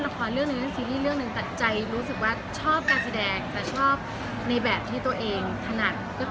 ของเรื่องอะไรอะไรแต่ชอบการแสดงในแบบที่ตัวเองชันอีกคือแบบ